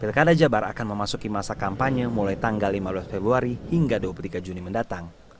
pilkada jabar akan memasuki masa kampanye mulai tanggal lima belas februari hingga dua puluh tiga juni mendatang